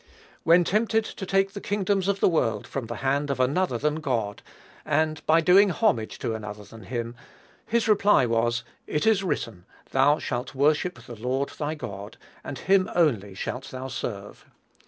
When tempted to take the kingdoms of the world from the hand of another than God, and by doing homage to another than him, his reply was, "It is written, Thou shalt worship the Lord thy God, and him only shalt thou serve."